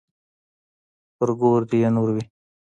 پر ګور دې يې نور وي.